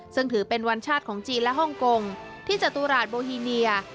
ซึ่งถือเป็นวันชาติของจีนและฮ่องกงที่จตุราชโบฮีเนีย